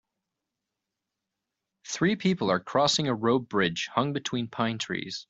three people are crossing a rope bridge hung between pine trees.